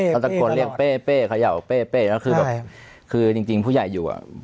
เขาตะโกนเรียกเป้เป้เขย่าเป้แล้วคือแบบคือจริงผู้ใหญ่อยู่อ่ะ